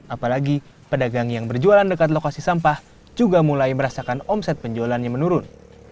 apalagi pedagang yang berjualan dekat lokasi sampah juga mulai merasakan omset penjualannya menurun